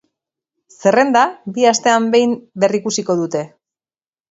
Zerrenda bi astean behin berrikusiko dute.